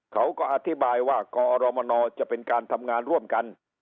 เขาก็อธิบายว่ากอรมนจะเป็นการทำงานร่วมกัน